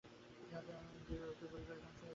যখন ইন্দ্রিয়গুলি জয় করে, তখন সে যথার্থ ত্যাগী।